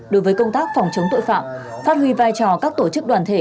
đối với công tác phòng chống tội phạm phát huy vai trò các tổ chức đoàn thể